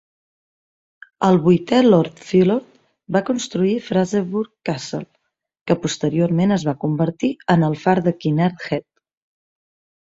El vuitè Lord Philorth va construir Fraserburgh Castle, que posteriorment es va convertir en el far de Kinnaird Head.